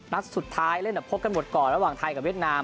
นัดสุดท้ายเล่นแต่พบกันหมดก่อนระหว่างไทยกับเวียดนาม